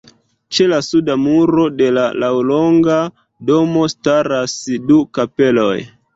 Ĉe la suda muro de la laŭlonga domo staras du kapeloj.